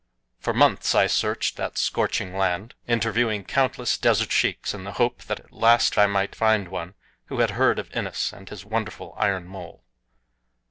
For months I searched that scorching land, interviewing countless desert sheiks in the hope that at last I might find one who had heard of Innes and his wonderful iron mole.